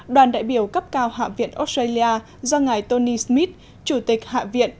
đoàn đại biểu cấp cao hạ viện australia do ngài tony smith chủ tịch hạ viện